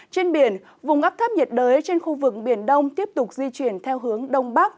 trên biển vùng áp thấp nhiệt đới trên khu vực biển đông tiếp tục di chuyển theo hướng đông bắc